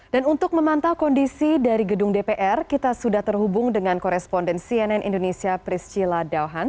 untuk memantau kondisi dari gedung dpr kita sudah terhubung dengan koresponden cnn indonesia priscila dauhan